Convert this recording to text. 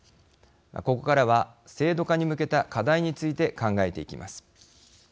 ここからは制度化に向けた課題について考えていきます。